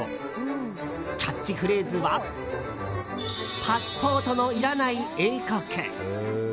キャッチフレーズはパスポートのいらない英国。